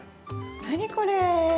何これ。